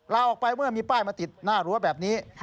ลาออกไปเมื่อมีป้ายมาติดหน้ารั้วแบบนี้